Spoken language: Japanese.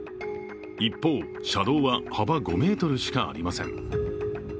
一方、車道は幅５ｍしかありません。